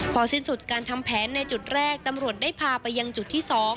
พอสิ้นสุดการทำแผนในจุดแรกตำรวจได้พาไปยังจุดที่๒